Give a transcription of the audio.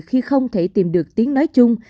khi không thể tìm được tiếng nói chung